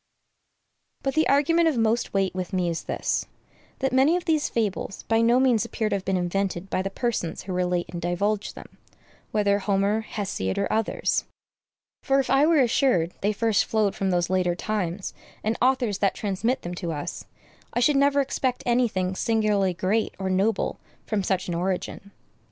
But the argument of most weight with me is this, that many of these fables by no means appear to have been invented by the persons who relate and divulge them, whether Homer, Hesiod, or others; for if I were assured they first flowed from those later times and authors that transmit them to us, I should never expect any thing singularly great or noble from such an origin.